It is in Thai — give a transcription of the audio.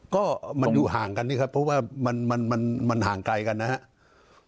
ก็มันอยู่ห่างกันนี่ครับเพราะว่ามันห่างไกลกันนะครับ